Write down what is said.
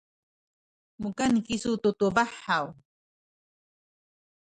mukan kisu tu tubah haw?